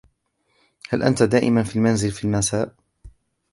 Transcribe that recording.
هل أنت دائما في المنزل في المساء ؟